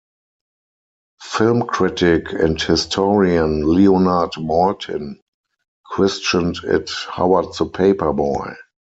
Film critic and historian Leonard Maltin christened it "Howard the Paperboy".